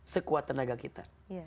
sekuat tenaga kita